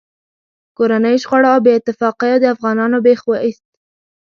کورنیو شخړو او بې اتفاقیو د افغانانو بېخ و ایست.